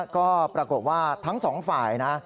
ก็ปรากฏว่าทั้งสองฝ่ายนะ